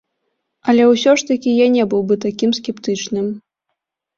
Але ўсё ж такі я не быў бы такім скептычным.